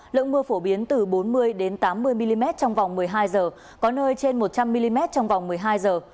lượng mưa phổ biến từ bốn mươi tám mươi mm trong vòng một mươi hai giờ có nơi trên một trăm linh mm trong vòng một mươi hai giờ